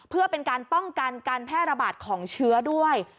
เพื่อเป็นการป้องกันการแพร่ระบาดของเชื้อด้วย